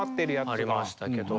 ありましたけど。